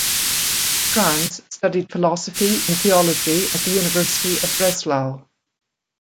Franz studied philosophy and theology at the University of Breslau.